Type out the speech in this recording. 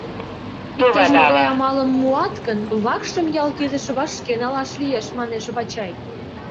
— Иктаж-могай амалым муат гын, вакшым ял кидыш вашке налаш лиеш, — манеш Вачай.